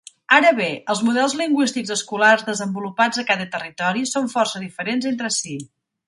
Ara bé, els models lingüístics escolars desenvolupats a cada territori són força diferents entre si.